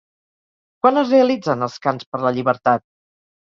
Quan es realitzen els Cants per la Llibertat?